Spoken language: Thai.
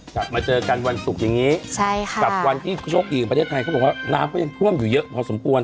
กลับมาเจอกันวันศุกร์อย่างนี้ใช่ค่ะกับวันที่โชคดีของประเทศไทยเขาบอกว่าน้ำก็ยังท่วมอยู่เยอะพอสมควร